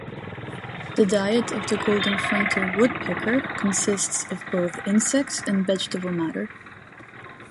The diet of the golden-fronted woodpecker consists of both insects and vegetable matter.